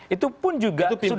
itu pun juga sudah